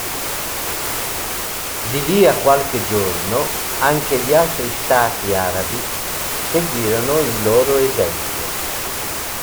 Di lì a qualche giorno anche gli altri stati arabi seguirono il loro esempio.